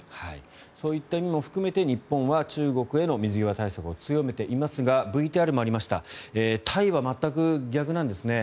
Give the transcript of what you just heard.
そういった意味も含めて日本は中国への水際対策を強めていますがＶＴＲにもありましたがタイは全く逆なんですね。